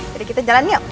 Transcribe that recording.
jadi kita jalan yuk